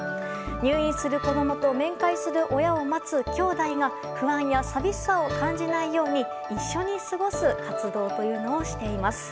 入院する子供と面会する親を待つきょうだいが不安や寂しさなどを感じないよう一緒に過ごす活動をしています。